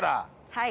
はい。